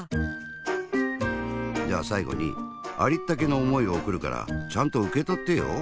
じゃあさいごにありったけのおもいをおくるからちゃんとうけとってよ。